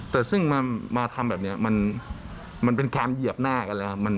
แต่ซึ่งมาทำแบบนี้มันเป็นการเหยียบหน้ากันแล้วครับ